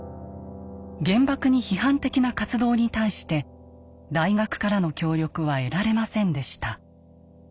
原爆に批判的な活動に対して大学からの協力は得られませんでした。